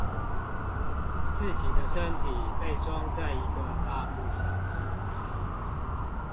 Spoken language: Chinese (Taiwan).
自己的身體被裝在一個大木箱中